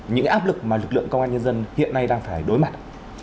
những cái áp lực mà lực lượng công an nhân dân hiện nay đang phải đối mặt